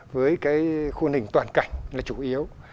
với khuôn hình toàn cảnh là chủ yếu